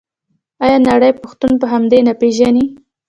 آیا نړۍ پښتون په همدې نه پیژني؟